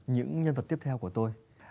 những nhân vật tiếp theo của tôi